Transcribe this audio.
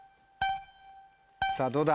さぁどうだ？